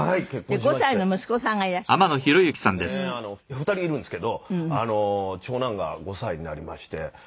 ２人いるんですけど長男が５歳になりまして。